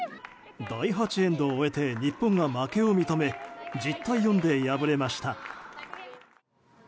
第８エンドを終えて日本が負けを認め１０対４で敗れました。